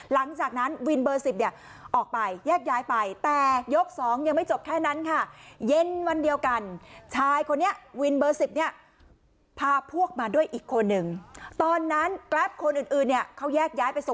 หลังจากนั้นวินเบอร์๑๐ออกไปแยกย้ายไป